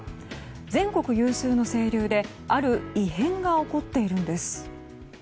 全国有数の清流である異変が起こっているんです。